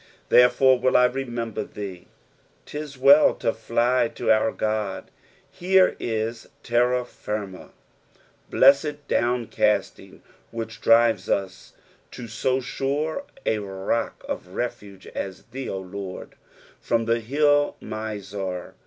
^'Therefore will I rememier (A«." *Tis well to fly to our God. Here ia terra flrma. Blessed downcasting which drirea us to so aura a rock of refuge as thee, O Lord ! ".FVom tixe hill Muar."